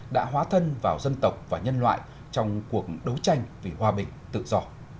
đã hóa thân vào dân tộc và nhân loại trong cuộc đấu tranh vì hòa bình tự do